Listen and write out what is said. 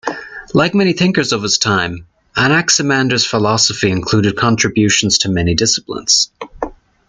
Like many thinkers of his time, Anaximander's philosophy included contributions to many disciplines.